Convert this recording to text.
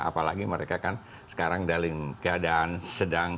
apalagi mereka kan sekarang dalam keadaan sedang